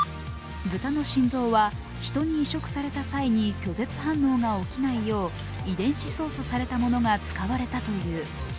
豚の心臓は人に移植された際に拒絶反応が起きないよう遺伝子操作されたものが使われたという。